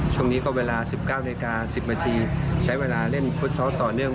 ช่วงนี้ก็เวลา๑๙๐๐น๑๐มใช้เวลาเล่นฟุตซอสต่อเนื่อง